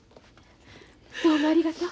どうもありがとう。